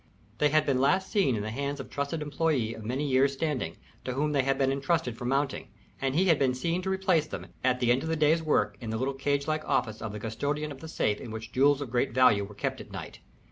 They had been last seen in the hands of a trusted employé of many years' standing, to whom they had been intrusted for mounting, and he had been seen to replace them, at the end of the day's work, in the little cage like office of the custodian of the safe in which jewels of great value were kept at night.